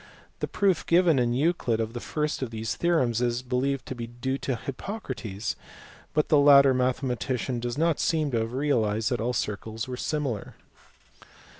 The proof given in Euclid of the first of these theorems is believed to be due to Hippocrates, but the latter mathematician does not seem to have realized that all circles are similar.